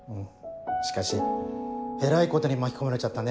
しかしえらいことに巻き込まれちゃったね